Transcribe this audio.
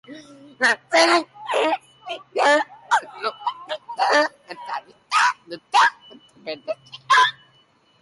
Dozenaka dira, arlo bakoitza ezaugarritzen duten kontu bereiziak.